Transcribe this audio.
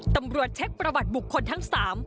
ตำรวจเช็คประวัติบุคคลทั้ง๓